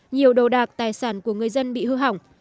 nhiều đồ đạc tài sản của người dân bị hư hỏng